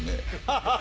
ハハハハ！